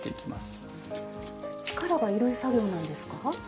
力がいる作業なんですか？